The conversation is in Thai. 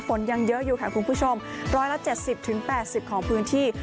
ฝนยังเยอะอยู่ค่ะคุณผู้ชมร้อยละเจ็ดสิบถึงแปดสิบของพื้นที่